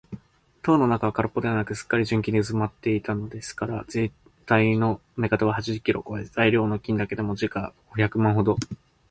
塔の中はからっぽではなく、すっかり純金でうずまっているのですから、ぜんたいの目方は八十キロをこえ、材料の金だけでも時価五百万円ほど